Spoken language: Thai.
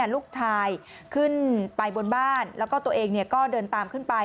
ลูกชายขึ้นไปบนบ้านแล้วก็ตัวเองก็เดินตามขึ้นไป